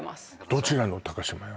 どちらの島屋？